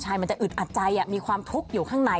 ใช่มันจะอึดอัดใจมีความทุกข์อยู่ข้างใน